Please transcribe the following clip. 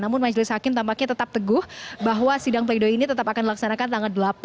namun majelis hakim tampaknya tetap teguh bahwa sidang pleidoye ini tetap akan dilaksanakan